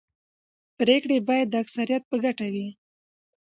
پرېکړې باید د اکثریت په ګټه وي